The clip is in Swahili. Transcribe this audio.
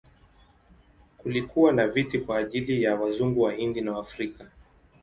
Kulikuwa na viti kwa ajili ya Wazungu, Wahindi na Waafrika.